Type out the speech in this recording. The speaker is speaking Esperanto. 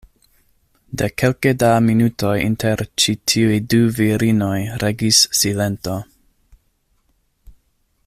De kelke da minutoj inter ĉi tiuj du virinoj regis silento.